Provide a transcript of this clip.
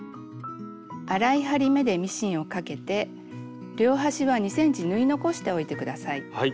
粗い針目でミシンをかけて両端は２ｃｍ縫い残しておいて下さい。